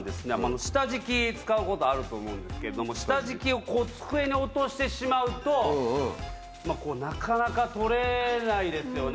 下敷き使うことあると思うんですけども下敷きをこう机に落としてしまうとなかなか取れないですよね